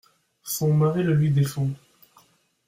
Son mari le lui défend.